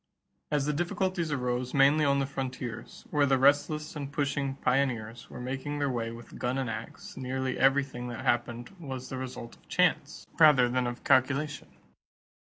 As the difficulties arose mainly on the frontiers, where the restless and pushing pioneers were making their way with gun and ax, nearly everything that happened was the result of chance rather than of calculation.